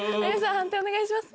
判定お願いします。